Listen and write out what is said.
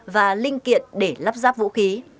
và linh kiện để lắp ráp vũ khí